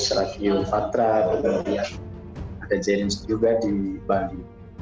kasus raffiopatra ada jering sid juga di bali